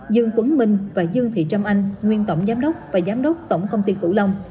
dương tuấn minh và dương thị trâm anh nguyên tổng giám đốc và giám đốc tổng công ty cửu long